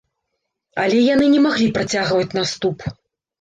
Але яны не маглі працягваць наступ.